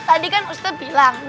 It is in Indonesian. tadi kan ustadz bilang